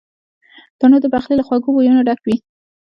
تنور د پخلي له خوږو بویونو ډک وي